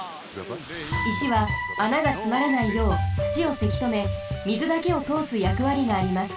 いしは穴がつまらないようつちをせきとめみずだけをとおすやくわりがあります。